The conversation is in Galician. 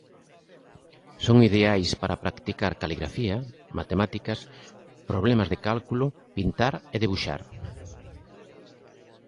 Son ideais para practicar caligrafía, matemáticas, problemas de cálculo, pintar e debuxar.